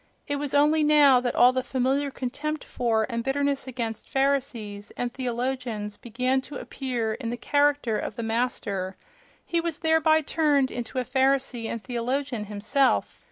It was only now that all the familiar contempt for and bitterness against Pharisees and theologians began to appear in the character of the Master—he was thereby turned into a Pharisee and theologian himself!